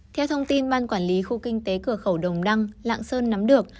theo thông tin ban quản lý khu kinh tế cửa khẩu đồng đăng lạng sơn nắm được